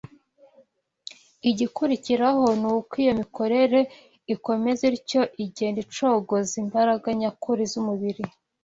igikurikiraho ni uko iyo mikorere ikomeza ityo igenda icogoza imbaraga nyakuri z’umubiri